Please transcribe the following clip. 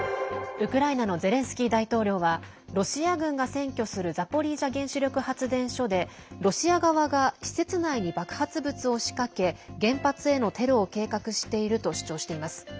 ウクライナのゼレンスキー大統領はロシア軍が占拠するザポリージャ原子力発電所でロシア側が施設内に爆発物を仕掛け原発へのテロを計画していると主張しています。